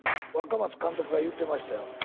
若松監督が言うてましたよ